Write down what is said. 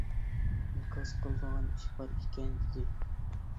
ئىنكاس قىلىدىغان ئىشى بار ئىكەن، -دېدى.